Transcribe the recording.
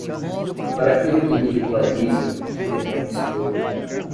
Para aquele que ridiculariza, o demônio expurga.